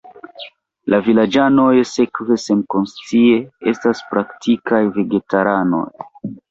La vilaĝanoj sekve senkonscie estas praktikaj vegetaranoj.